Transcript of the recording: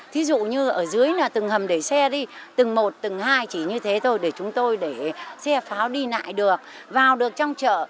thí dụ như ở dưới là từng hầm để xe đi từng một tầng hai chỉ như thế thôi để chúng tôi để xe pháo đi lại được vào được trong chợ